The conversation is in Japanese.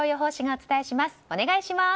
お願いします。